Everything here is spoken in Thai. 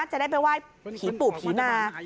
จะได้ไปไหว้ผีปู่ผีนา